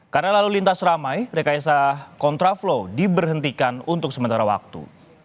karena lalu lintas ramai rekayasa kontraflow diberhentikan untuk sementara waktu